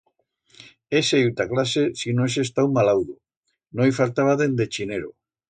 Hese iu ta clase si no hese estau malaudo, no i faltaba dende chinero.